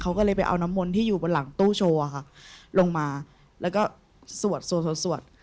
เขาก็เลยไปเอาน้ำมนต์ที่อยู่บนหลังตู้โชว์ค่ะลงมาแล้วก็สวดสวด